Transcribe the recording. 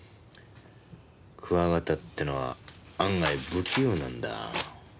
クワガタってのは案外不器用なんだ。